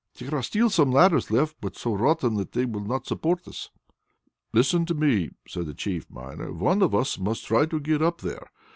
"There are still ladders left, but so rotten that they would not support us." "Listen to me," said the chief miner. "One of us must try to get up there.